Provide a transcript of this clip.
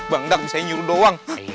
bangdak bisa nyuruh doang